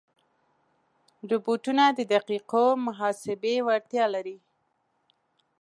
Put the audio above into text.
روبوټونه د دقیقو محاسبې وړتیا لري.